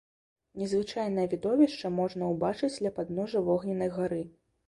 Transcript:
Незвычайнае відовішча можна ўбачыць ля падножжа вогненнай гары.